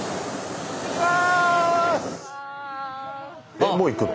えっもう行くの？